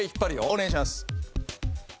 お願いします。